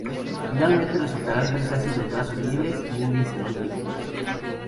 Finalmente resultarán tres ácidos grasos libres y un glicerol libre.